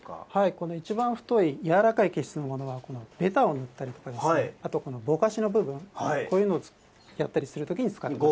この一番太い、やわらかい毛質のもの、べたを塗ったりとか、あとこのぼかしの部分、こういうのをやったりするときに使います。